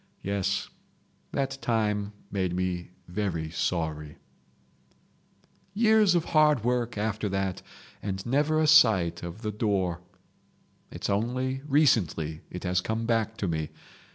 Yes, that time made me very sorry ..... "Years of hard work after that and never a sight of the door. It's only recently it has come back to me.